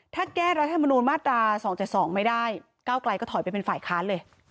ถ้าแก้รัฐธรรมนุมมาตราสองเจ็ดสองไม่ได้เก้ากลายก็ถอยไปเป็นฝ่ายค้านเลย